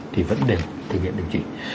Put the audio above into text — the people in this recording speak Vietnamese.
thì vẫn đều thực hiện điều chỉnh